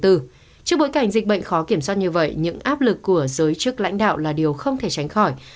trước bối cảnh dịch bệnh khó kiểm soát như vậy những áp lực của giới chức lãnh đạo là điều không thể tránh khỏi